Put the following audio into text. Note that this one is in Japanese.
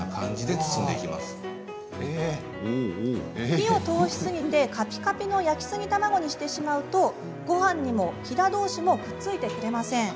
火を通しすぎてかぴかぴの焼きすぎ卵にしてしまうとごはんにもひだどうしもくっついてくれません。